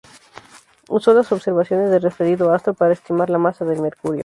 Usó las observaciones del referido astro para estimar la masa de Mercurio.